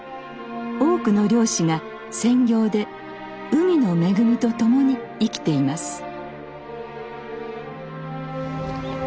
多くの漁師が専業で海の恵みと共に生きています。